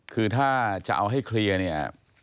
คือถ้าจะเอาให้เคลียร์เนี่ย